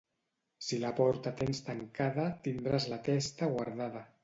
Si la porta tens tancada, tindràs la testa guardada.